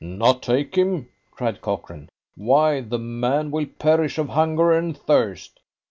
"Not take him!" cried Cochrane. "Why, the man will perish of hunger and thirst.